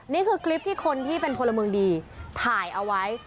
นี่คือคลิปที่คนที่เป็นพลเมืองดีถ่ายเอาไว้